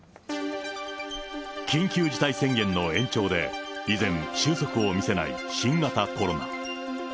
緊急事態宣言の延長で依然、収束を見せない新型コロナ。